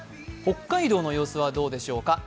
北海道の様子はどうでしょうか。